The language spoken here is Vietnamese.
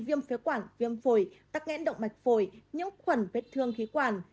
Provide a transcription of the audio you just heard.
viêm phế quản viêm phổi tắc nghẽn động mạch phổi nhiễm khuẩn vết thương khí quản